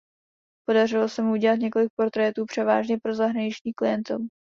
Podařilo se mu udělat několik portrétů převážně pro zahraniční klientelu.